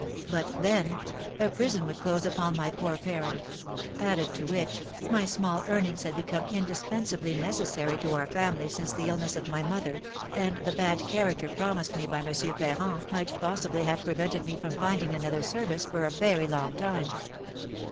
But, then, a prison would close upon my poor parent; added to which, my small earnings had become indispensably necessary to our family since the illness of my mother, and the bad character promised me by M. Ferrand might possibly have prevented me from finding another service for a very long time."